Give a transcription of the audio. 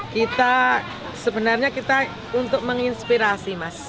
kita sebenarnya kita untuk menginspirasi mas